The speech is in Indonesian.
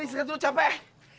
ini sekat dulu capek